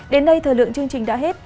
đến đây thời lượng chương trình đã hết